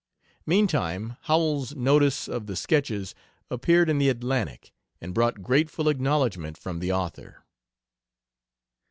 Meantime, Howells's notice of the Sketches appeared in the Atlantic, and brought grateful acknowledgment from the author.